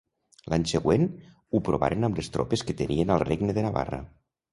L'any següent ho provaren amb les tropes que tenien al regne de Navarra.